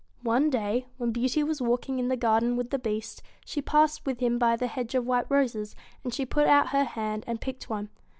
One day, when Beauty was walking in the garden with the Beast, she passed with him by the hedge of white roses, and she put out her hand and picked one.